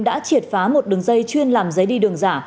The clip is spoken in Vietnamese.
đã triệt phá một đường dây chuyên làm giấy đi đường giả